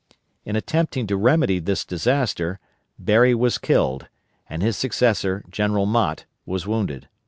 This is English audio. In attempting to remedy this disaster, Berry was killed, and his successor, General Mott, was wounded.